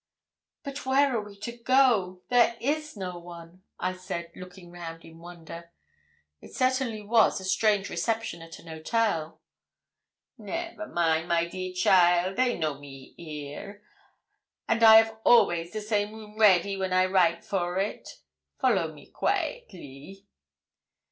'But where are we to go? There is no one!' I said, looking round in wonder. It certainly was a strange reception at an hotel. 'Never mind, my dear cheaile. They know me here, and I have always the same room ready when I write for it. Follow me quaitely.'